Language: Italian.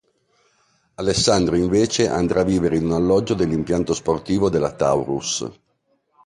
Alessandro invece andrà a vivere in un alloggio dell'impianto sportivo della Taurus.